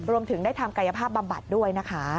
รวมถึงได้ทำกายภาพบำบัดด้วยนะคะ